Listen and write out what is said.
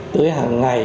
tới hàng ngày